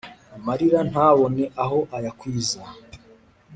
Amarira ntabone aho ahayakwiza